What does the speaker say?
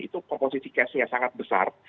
itu komposisi cashnya sangat besar